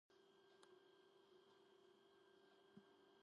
ამის პარალელურად იგი ზრუნავდა პრუსიული სასახლეების გარემონტება-რეკონსტრუქციაზე.